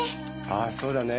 ああそうだね。